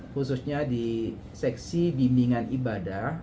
khususnya di seksi bimbingan ibadah